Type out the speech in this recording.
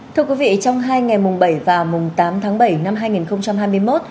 thưa quý vị trong hai ngày mùng bảy và mùng tám tháng bảy năm hai nghìn hai mươi một